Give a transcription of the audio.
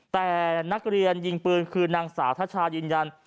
แต่นักเรียนยิงปืนคือนางสาวทัชชายืนยัน